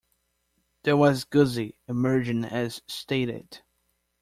There was Gussie, emerging as stated.